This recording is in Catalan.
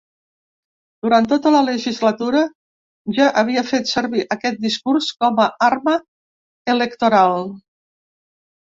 Durant tota la legislatura, ja havia fet servir aquest discurs com a arma electoral.